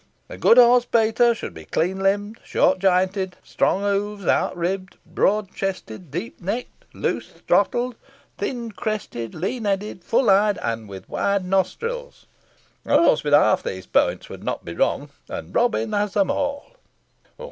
A good horse, Peter, should be clean limbed, short jointed, strong hoofed, out ribbed, broad chested, deep necked, loose throttled, thin crested, lean headed, full eyed, with wide nostrils. A horse with half these points would not be wrong, and Robin has them all."